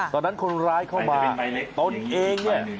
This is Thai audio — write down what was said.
ตอนนั้นคนร้ายเข้ามาตนเอง